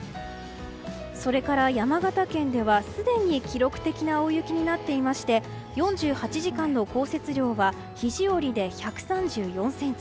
それから、山形県ではすでに記録的な大雪になっていまして４８時間の降雪量は肘折で１３４ｃｍ